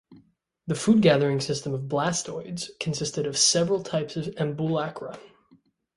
The food gathering system of blastoids consisted of several types of ambulacra.